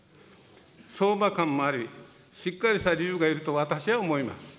相場観もあり、しっかりした理由がいると私は思います。